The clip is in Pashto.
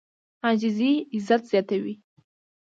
عاجزي عزت زیاتوي.